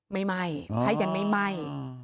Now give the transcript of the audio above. ไม่ไหม้พระยันตร์ไม่ไหม้